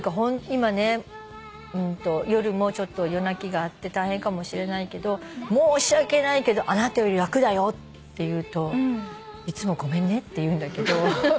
今ね夜も夜泣きがあって大変かもしれないけど申し訳ないけどあなたより楽だよって言うといつも「ごめんね」って言うんだけど。